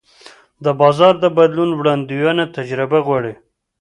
د بازار د بدلون وړاندوینه تجربه غواړي.